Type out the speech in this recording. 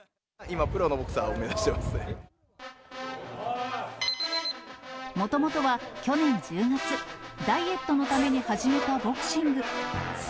今、もともとは去年１０月、ダイエットのために始めたボクシング。